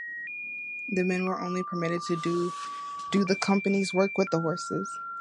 The men were only permitted to do the company's work with the horses.